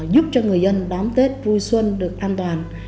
giúp cho người dân đón tết vui xuân được an toàn